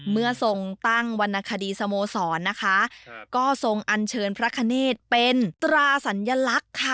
เมื่อทรงตั้งวรรณคดีสโมสรนะคะก็ทรงอันเชิญพระคเนธเป็นตราสัญลักษณ์ค่ะ